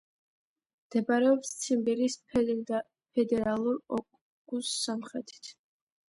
მდებარეობს ციმბირის ფედერალურ ოკრუგის სამხრეთით.